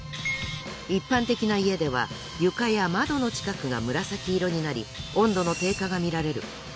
一般的な家では床や窓の近くが紫色になり温度の低下が見られる。